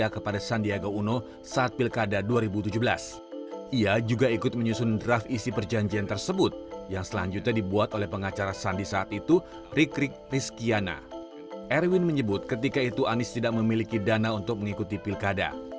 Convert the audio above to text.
ketika itu anies tidak memiliki dana untuk mengikuti pilkada